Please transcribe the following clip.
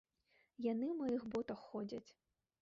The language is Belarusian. Яны ў маіх ботах ходзяць!